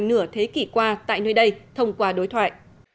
nửa thế kỷ qua tại nơi đây thông qua đối thoại